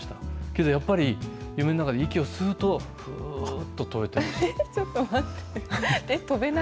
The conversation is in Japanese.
けどやっぱり、夢の中で息を吸うと、ふーっと飛べて。